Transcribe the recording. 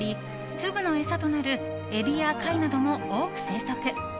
フグの餌となるエビや貝なども多く生息。